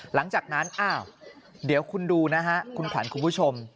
หลังจากนั้นอ้าวเดี๋ยวคุณดูนะฮะคุณขวัญคุณผู้ชม